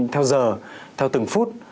theo giờ theo từng phút